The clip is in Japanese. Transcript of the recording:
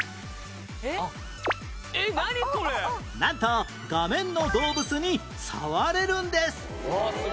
なんと画面の動物に触れるんです